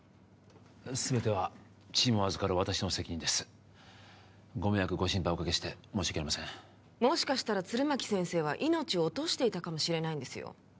全てはチームを預かる私の責任ですご迷惑ご心配をおかけして申し訳ありませんもしかしたら弦巻先生は命を落としていたかもしれないんですよ